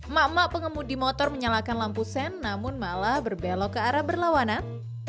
mak mak pengemudi motor menyalakan lampu sen namun malah berbelok ke arah berlawanan